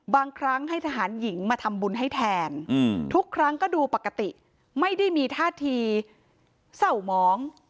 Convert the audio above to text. บางครั้งให้ทหารหญิงมาทำบุญให้แทนทุกครั้งก็ดูปกติไม่ได้มีท่าทีเศร้าหมอง